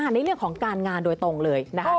ในเรื่องของการงานโดยตรงเลยนะคะ